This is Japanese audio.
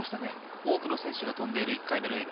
多くの選手が飛んでいる１回目の演技。